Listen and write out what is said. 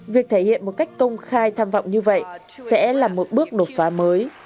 việc thể hiện một cách công khai tham vọng như vậy sẽ là một bước đột phá mới